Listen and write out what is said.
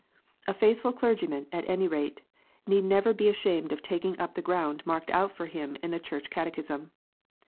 A faithful clergyman, at any rate, need never be ashamed of taking up the ground marked out for him in the Church Catechism.